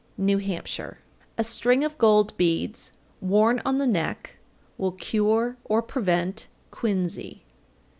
New Hampshire. 800. A string of gold beads worn on the neck will cure or prevent quinsy.